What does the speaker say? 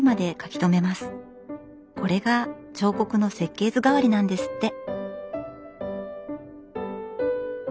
これが彫刻の設計図代わりなんですって。